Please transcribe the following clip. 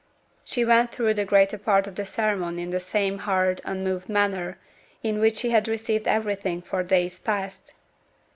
She went through the greater part of the ceremony in the same hard, unmoved manner in which she had received everything for days past.